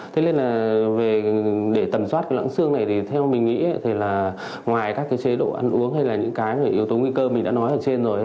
thế nên là để tầm soát cái lãng xương này thì theo mình nghĩ thì là ngoài các cái chế độ ăn uống hay là những cái mà yếu tố nguy cơ mình đã nói ở trên rồi